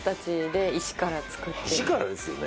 石からですよね！？